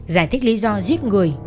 giải thích lý do giết người